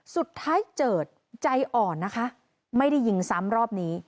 ถ้าเกิดเจิดใจอ่อนนะคะไม่ได้ยิงซ้ำรอบนี้